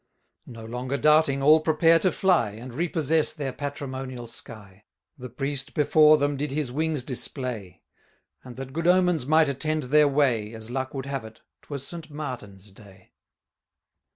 560 No longer doubting, all prepare to fly, And repossess their patrimonial sky. The priest before them did his wings display; And that good omens might attend their way, As luck would have it, 'twas St Martin's day.